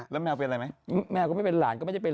แล้วแมวเป็นอะไรไหมแมวก็ไม่เป็นหลานก็ไม่ได้เป็น